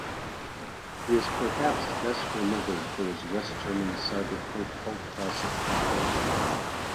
He is perhaps best remembered for his West German cyberpunk cult classic Decoder.